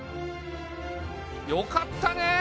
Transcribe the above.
よかったねえ！